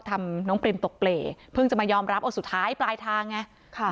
ทำน้องปริมตกเปรย์เพิ่งจะมายอมรับเอาสุดท้ายปลายทางไงค่ะ